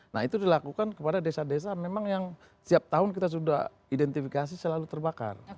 nah itu dilakukan kepada desa desa memang yang setiap tahun kita sudah identifikasi selalu terbakar